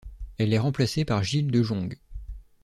Elle est remplacée par Jill de Jong.